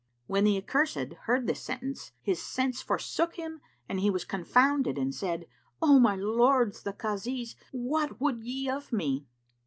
When the accursed heard this sentence his sense forsook him and he was confounded and said, "O my lords the Kazis, what would ye of me?"